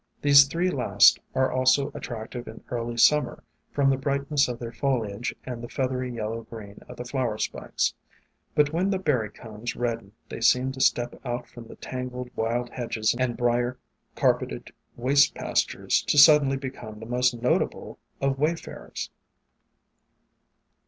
These three last are also at tractive in early Summer, from the brightness of their foliage and the feathery yellow green of the flower spikes ; but when the berry cones redden they seem to step WAYFARERS 2Q3 out from the tangled wild hedges and briar carpeted waste pastures to suddenly become the most notable of wayfarers.